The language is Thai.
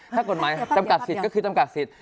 ถ้ากฎหมายจำกัดสิทธิ์ก็คือจำกัดสิทธิ